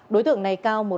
đối tượng này cao